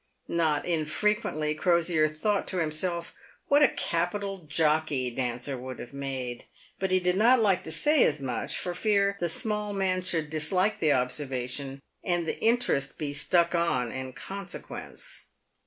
Not unfrequently Crosier thought PAVED WITH GOLD. to himself what a capital jockey Dancer would have made, but he did not like to say as much, for fear the small man should dislike the observation, and the interest be " stuck on " in consequence.